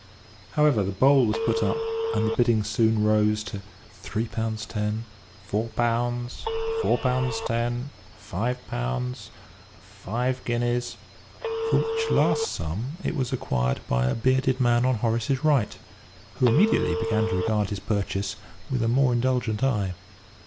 However, the bowl was put up, and the bidding soon rose to three pounds ten, four pounds, four pounds ten, five pounds, five guineas, for which last sum it was acquired by a bearded man on Horace's right, who immediately began to regard his purchase with a more indulgent eye.